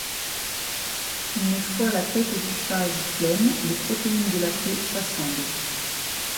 Une fois la tête du phage pleine, les protéines de la queue s'assemblent.